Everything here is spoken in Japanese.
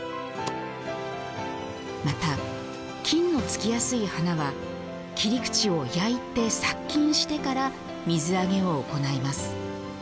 また、菌のつきやすい花は切り口を焼いて殺菌してから水揚げを行います。